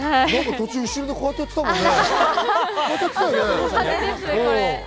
途中、後ろとかでこうやってやってたもんね。